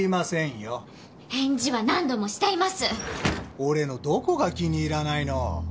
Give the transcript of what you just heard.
俺のどこが気に入らないの？